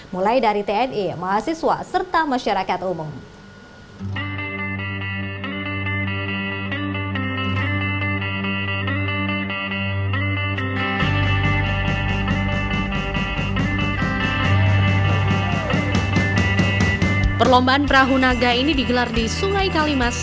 mulai dari tni mahasiswa serta masyarakat umum